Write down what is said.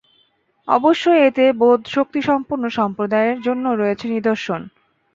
অবশ্যই এতে বোধশক্তিসম্পন্ন সম্প্রদায়ের জন্য রয়েছে নিদর্শন।